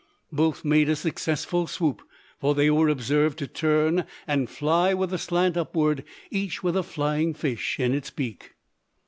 Both made a successful swoop; for they were observed to turn and fly with a slant upwards, each with a flying fish in its beak.